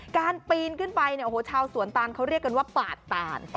การปีนขึ้นไปเนี่ยโอ้โหชาวสวนตานเขาเรียกกันว่าปาดตาน